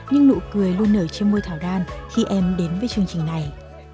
nhưng nụ cười luôn nở trên môi thảo đan khi em đến với chương trình này